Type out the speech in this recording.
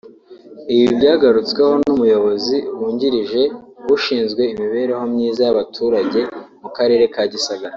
Ibi byagarutsweho n’Umuyobozi wungirije ushinzwe imibereho myiza y’abaturage mu Karere ka Gisagara